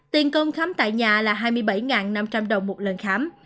tiền công khám tại nhà là hai mươi bảy năm trăm linh đồng một lần khám